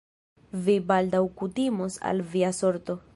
Vi baldaŭ kutimos al via sorto...